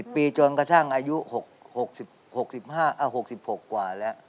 ปีจนกระทั่งอายุ๖๖กว่าแล้ว